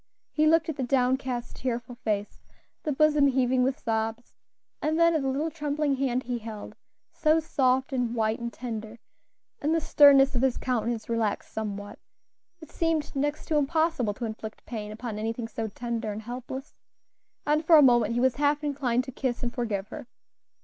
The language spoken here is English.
He looked at the downcast, tearful face, the bosom heaving with sobs, and then at the little trembling hand he held, so soft, and white, and tender, and the sternness of his countenance relaxed somewhat; it seemed next to impossible to inflict pain upon anything so tender and helpless; and for a moment he was half inclined to kiss and forgive her.